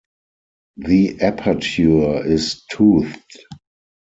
The aperture is toothed.